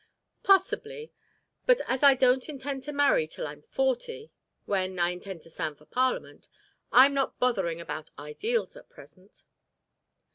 "Possibly, but as I don't intend to marry till I'm forty, when I intend to stand for Parliament, I'm not bothering about ideals at present."